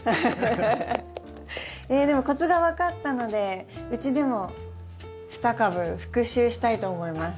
でもコツが分かったのでうちでも２株復習したいと思います。